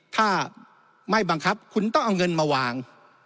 ถ้าไม่บังคับคุณต้องเอาเงินมาวาง